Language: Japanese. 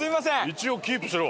一応キープしろ！